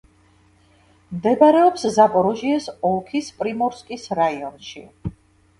მდებარეობს ზაპოროჟიეს ოლქის პრიმორსკის რაიონში.